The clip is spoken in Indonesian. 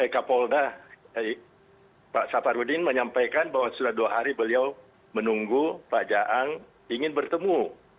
kapolda pak saparudin menyampaikan bahwa sudah dua hari beliau menunggu pak jaang ingin bertemu